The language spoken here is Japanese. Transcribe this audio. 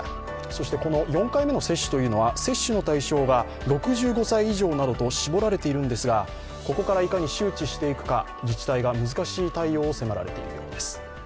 そしてこの４回目の接種というのは接種の対象が６５歳以上などと絞られているんですが、ここからいかに周知していくか、自治体が難しい対応を迫られているようです。